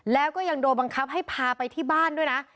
แล้วก็ยังโดนบังคับให้พาไปที่บ้านด้วยนะ